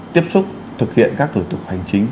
tiếp xúc thực hiện các thủ tục hành chính